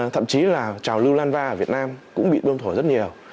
thậm chí là trào lưu lan va ở việt nam cũng bị bơm thổi rất nhiều